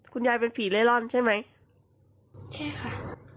คุณยายเป็นผีเล่ร่อนใช่ไหมใช่ค่ะ